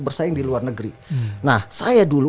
bersaing di luar negeri nah saya dulu